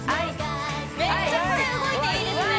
めっちゃこれ動いていいですね